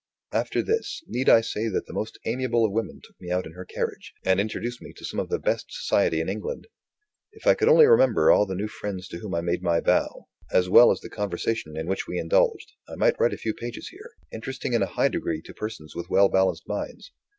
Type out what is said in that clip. After this, need I say that the most amiable of women took me out in her carriage, and introduced me to some of the best society in England? If I could only remember all the new friends to whom I made my bow, as well as the conversation in which we indulged, I might write a few pages here, interesting in a high degree to persons with well balanced minds.